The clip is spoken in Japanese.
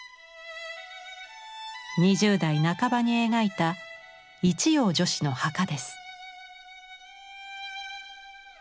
２０代半ばに描いた「一葉女史の墓」です。